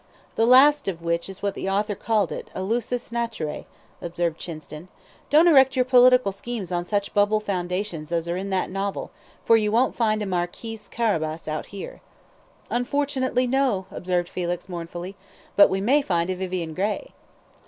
"The last of which is what the author called it, a LUSUS NATURAE," observed Chinston. "Don't erect your political schemes on such bubble foundations as are in that novel, for you won't find a Marquis Carabas out here." "Unfortunately, no!" observed Felix, mournfully; "but we may find a Vivian Grey."